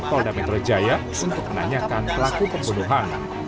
polda metro jaya untuk menanyakan pelaku pembunuhan